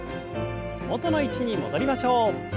元の位置に戻りましょう。